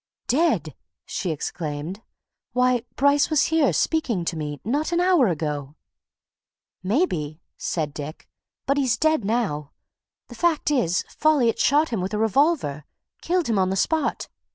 "Dead!" she exclaimed. "Why Bryce was here, speaking to me, not an hour ago!" "Maybe," said Dick. "But he's dead now. The fact is, Folliot shot him with a revolver killed him on the spot.